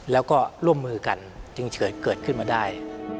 แล้วก็ร่วมมือกันจึงเกิดขึ้นมาได้